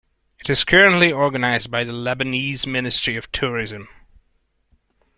It is currently organised by the Lebanese Ministry of Tourism.